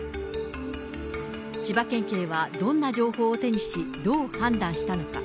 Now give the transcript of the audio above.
千葉県警はどんな情報を手にし、どう判断したのか。